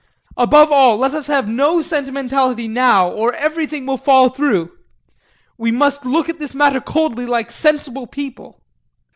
Above all, let us have no sentimentality now or everything will fall through. We must look at this matter coldly like sensible people.